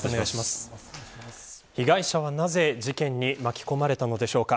被害者はなぜ事件に巻き込まれたのでしょうか。